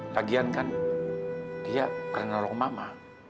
lagian kan dia kena nolong mama